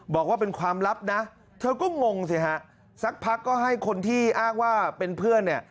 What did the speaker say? บอกว่าเป็นความลับนะเธอก็งงสิฮะสักพักก็ให้คนที่อ้างว่าเป็นเพื่อนเนี่ย